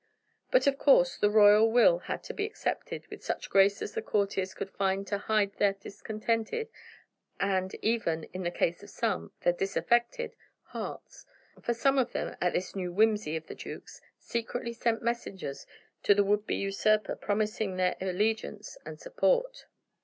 But, of course, the royal will had to be accepted with such grace as the courtiers could find to hide their discontented and even, in the case of some, their disaffected hearts; for some of them, at this new whimsy of the duke's, secretly sent messengers to the would be usurper promising him their allegiance and support.